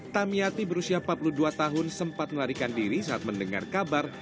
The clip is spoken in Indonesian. tamiati berusia empat puluh dua tahun sempat melarikan diri saat mendengar kabar